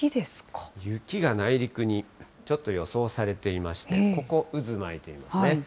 雪が内陸にちょっと予想されていまして、ここ、渦巻いていますね。